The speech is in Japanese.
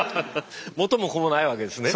元も子もないわけですね。